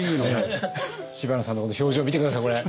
知花さんのこの表情見て下さいこれ。